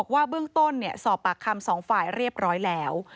ว่าเบื้องต้นสอบปากคำสองฝ่ายเรียบร้อยแล้ว